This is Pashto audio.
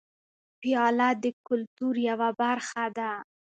پیاله د کلتور یوه برخه ده.